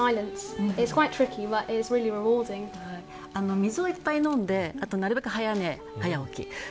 水をいっぱい飲んでなるべく早寝早起き。